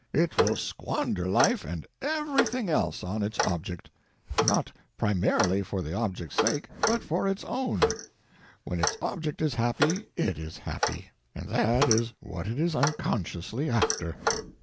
It will squander life and everything else on its object. Not primarily for the object's sake, but for its own. When its object is happy it is happy—and that is what it is unconsciously after.